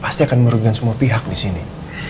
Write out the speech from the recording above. pasti akan merugikan semua pihak di sini